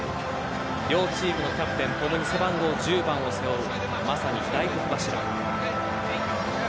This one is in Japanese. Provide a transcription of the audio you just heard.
両チームのキャプテン共に背番号１０番を背負うまさに大黒柱。